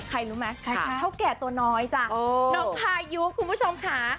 ใครรู้ไหมเท่าแก่ตัวน้อยจ้ะน้องพายุคุณผู้ชมค่ะ